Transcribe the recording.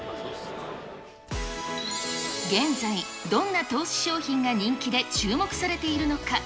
現在、どんな投資商品が人気で注目されているのか。